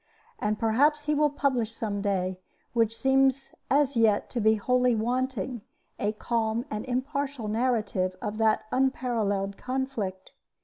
And perhaps he will publish some day what seems as yet to be wholly wanting a calm and impartial narrative of that unparalleled conflict.